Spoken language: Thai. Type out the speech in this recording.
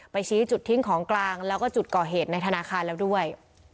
ชี้จุดทิ้งของกลางแล้วก็จุดก่อเหตุในธนาคารแล้วด้วย